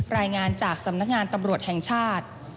รายงานจากสำนักงานตำรวจแห่งชาติ